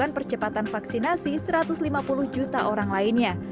percepatan vaksinasi satu ratus lima puluh juta orang lainnya